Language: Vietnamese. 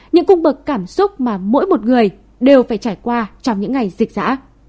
những cung bậc cảm xúc mà mỗi một người đều phải trải qua trong những ngày dịch dã